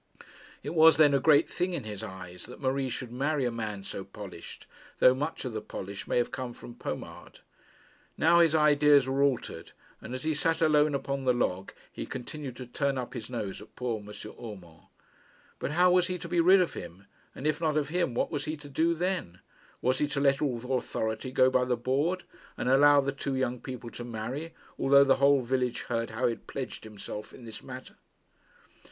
It was then a great thing in his eyes that Marie should marry a man so polished, though much of the polish may have come from pomade. Now his ideas were altered, and, as he sat alone upon the log, he continued to turn up his nose at poor M. Urmand. But how was he to be rid of him, and, if not of him, what was he to do then? Was he to let all authority go by the board, and allow the two young people to marry, although the whole village heard how he had pledged himself in this matter?